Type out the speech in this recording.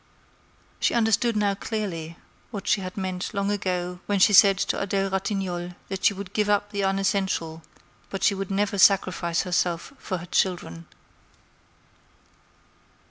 She understood now clearly what she had meant long ago when she said to Adèle Ratignolle that she would give up the unessential, but she would never sacrifice herself for her children.